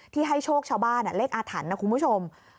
ให้โชคชาวบ้านเลขอาถรรพ์นะคุณผู้ชม